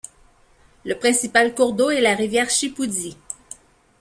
Le principal cours d'eau est la rivière Chipoudy.